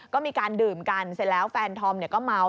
ก็มีการดื่มกันเสร็จแล้วแฟนธอมก็เมา